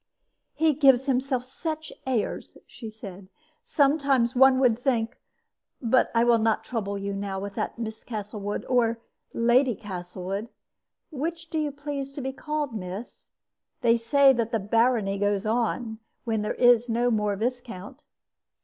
"He gives himself such airs!" she said; "sometimes one would think but I will not trouble you now with that, Miss Castlewood, or Lady Castlewood which do you please to be called, miss? They say that the barony goes on, when there is no more Viscount."